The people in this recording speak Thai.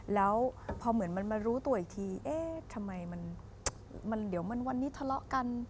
แล้วพอเหมือนมันมารู้ตัวอีกทีเอ๊ะทำไมมันเดี๋ยวมันวันนี้ทะเลาะกัน